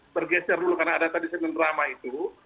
bergeser dulu karena ada tadi segmen drama itu